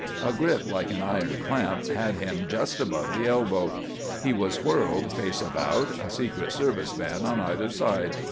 A grip like an iron clamp had him just above the elbow. He was whirled face about, a secret service man on either side.